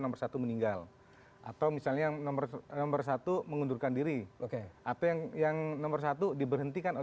nomor satu meninggal atau misalnya nomor satu mengundurkan diri atau yang nomor satu diberhentikan